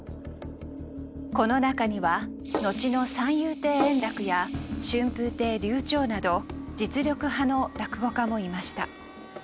この中には後の三遊亭圓楽や春風亭柳朝など実力派の落語家もいました。